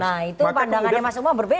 nah itu pandangannya mas umam berbeda